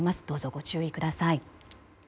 どうぞご注意ください。